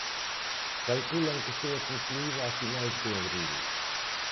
Calculan que estea concluída a finais de abril.